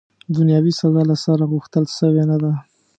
دنیاوي سزا، له سره، غوښتل سوې نه ده.